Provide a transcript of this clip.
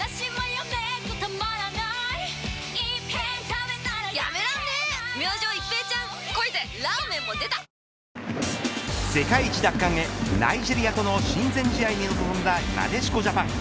ツーベースを放ち世界一奪還へナイジェリアとの親善試合に臨んだなでしこジャパン。